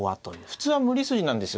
普通は無理筋なんですよ。